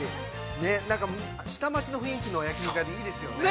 ね、なんか下町の雰囲気の焼肉屋でいいですよね。